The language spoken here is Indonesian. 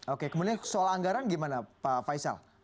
oke kemudian soal anggaran gimana pak faisal